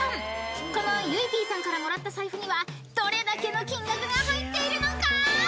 ［このゆいＰさんからもらった財布にはどれだけの金額が入っているのか？］